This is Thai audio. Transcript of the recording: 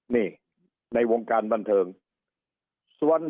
จบนานแล้ว